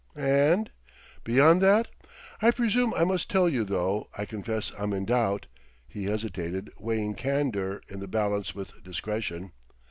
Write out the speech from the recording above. "And ?" "Beyond that? I presume I must tell you, though I confess I'm in doubt...." He hesitated, weighing candor in the balance with discretion.